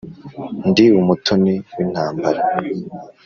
Ndi umutoni w’intambara,